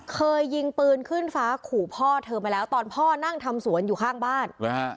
เคยยิงปืนขึ้นฟ้าขู่พ่อเธอมาแล้วตอนพ่อนั่งทำสวนอยู่ข้างบ้าน